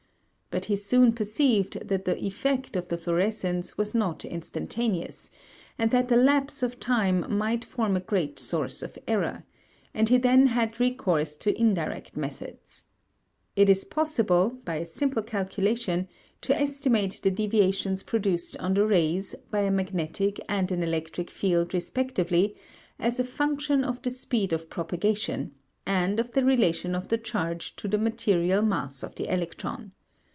But he soon perceived that the effect of the fluorescence was not instantaneous, and that the lapse of time might form a great source of error, and he then had recourse to indirect methods. It is possible, by a simple calculation, to estimate the deviations produced on the rays by a magnetic and an electric field respectively as a function of the speed of propagation and of the relation of the charge to the material mass of the electron.